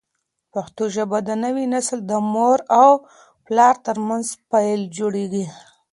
پښتو ژبه د نوي نسل د مور او پلار ترمنځ پل جوړوي.